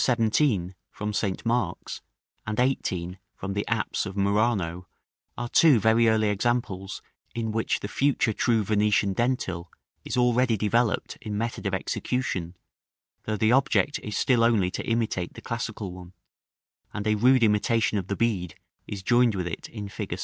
17, from St. Mark's, and 18, from the apse of Murano, are two very early examples in which the future true Venetian dentil is already developed in method of execution, though the object is still only to imitate the classical one; and a rude imitation of the bead is joined with it in fig.